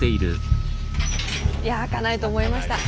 いや開かないと思いました。